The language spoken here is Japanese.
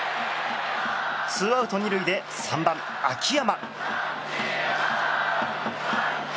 ツーアウト２塁で３番、秋山。